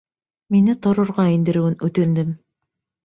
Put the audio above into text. Мине торорға индереүен үтендем.